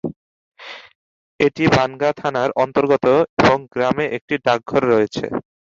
এটি বনগাঁ থানার অন্তর্গত এবং গ্রামে একটি ডাকঘর রয়েছে।